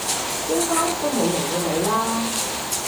應該都冇人會理啦！